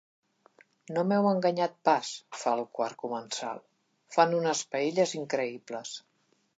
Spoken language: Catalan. No m'heu enganyat pas —fa el quart comensal—, fan unes paelles increïbles.